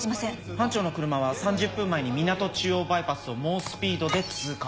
班長の車は３０分前にみなと中央バイパスを猛スピードで通過。